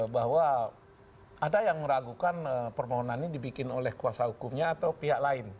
bahwa ada yang meragukan permohonan ini dibikin oleh kuasa hukumnya atau pihak lain